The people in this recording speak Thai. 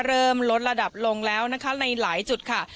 เริ่มลดระดับลงแล้วนะคะในหลายจุดค่ะ